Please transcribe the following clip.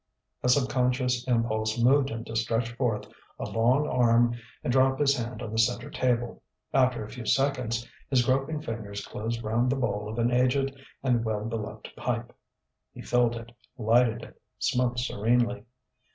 A subconscious impulse moved him to stretch forth a long arm and drop his hand on the centre table; after a few seconds his groping fingers closed round the bowl of an aged and well beloved pipe. He filled it, lighted it, smoked serenely.